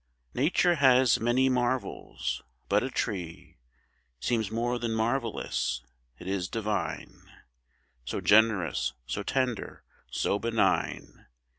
Nature has many marvels; but a tree Seems more than marvellous. It is divine. So generous, so tender, so benign.